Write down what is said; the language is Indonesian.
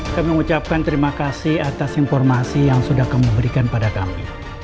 kami mengucapkan terima kasih atas informasi yang sudah kami berikan pada kami